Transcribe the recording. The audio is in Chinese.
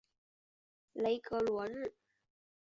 雷格罗日。